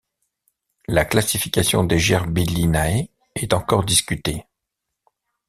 La classification des Gerbillinae est encore discutée.